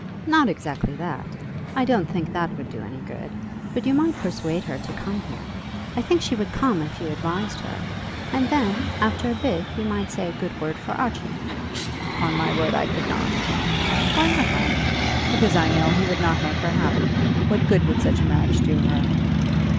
"Not exactly that; I don't think that would do any good. But you might persuade her to come here. I think she would come if you advised her; and then, after a bit, you might say a good word for Archie." "Upon my word I could not." "Why not, Harry?" "Because I know he would not make her happy. What good would such a marriage do her?"